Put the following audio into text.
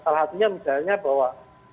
salah satunya misalnya bahwa